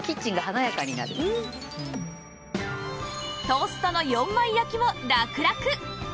トーストの４枚焼きもラクラク！